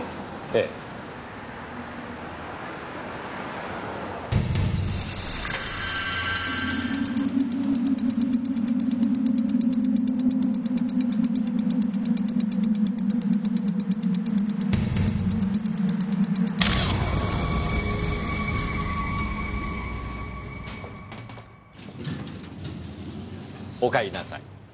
ええ。お帰りなさい。